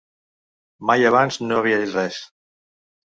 Mai abans no havia dit res.